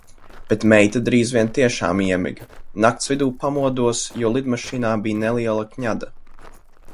Bet meita drīz vien tiešām iemiga. Nakts vidū pamodos, jo lidmašīnā bija neliela kņada.